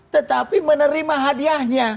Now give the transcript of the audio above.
tetapi menerima hadiahnya